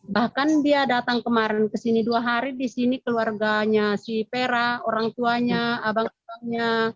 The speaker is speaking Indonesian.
bahkan dia datang kemarin kesini dua hari di sini keluarganya si pera orang tuanya abang abangnya